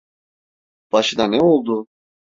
Başına ne oldu?